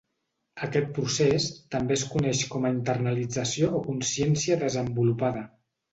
Aquest procés també es coneix com a internalització o consciència desenvolupada.